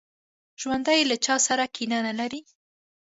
ژوندي له چا سره کینه نه لري